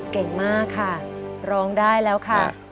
เก่งมากค่ะร้องได้แล้วค่ะ